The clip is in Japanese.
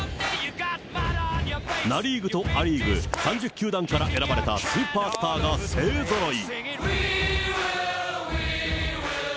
ナ・リーグとア・リーグ、３０球団から選ばれたスーパースターが勢ぞろい。